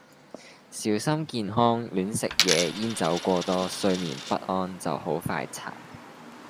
小心健康亂食野煙酒過多睡眠不安就好快殘。